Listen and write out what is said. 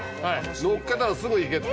のっけたらすぐいけって。